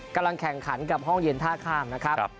กำลังแข่งขันกับห้องเย็นท่าข้ามนะครับ